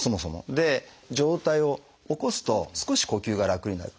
で上体を起こすと少し呼吸が楽になる。